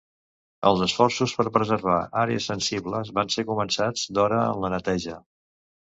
Els esforços per preservar àrees sensibles van ser començats d'hora en la neteja.